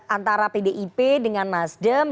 antara pdip dengan masdem